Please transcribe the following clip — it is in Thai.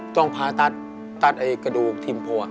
ต้องผ่าตัดตัดกระดูกทิมโภ